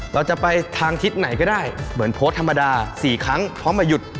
เราจะไปทางทิศไหนก็ได้เหมือนโพสต์ธรรมดา๔ครั้งพร้อมมาหยุด